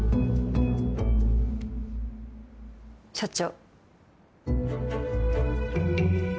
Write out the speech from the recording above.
社長。